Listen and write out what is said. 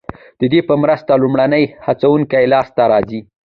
ددې په مرسته لومړني هڅوونکي لاسته راځي.